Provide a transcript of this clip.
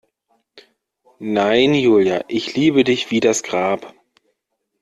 Nein, Julia, ich liebe dich wie das Grab.